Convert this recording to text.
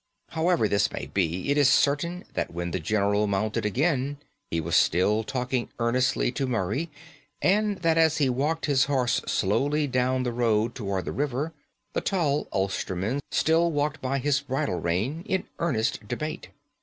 However this may be, it is certain that when the general mounted again he was still talking earnestly to Murray; and that as he walked his horse slowly down the road towards the river, the tall Ulsterman still walked by his bridle rein in earnest debate.